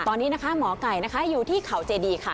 ตอนนี้นะคะหมอไก่นะคะอยู่ที่เขาเจดีค่ะ